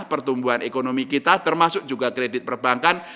pertumbuhan ekonomi kita termasuk juga kredit perbankan